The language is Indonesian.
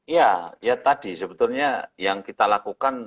ya ya tadi sebetulnya yang kita lakukan